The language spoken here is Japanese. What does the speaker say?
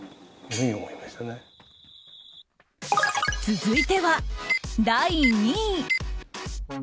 続いては第２位。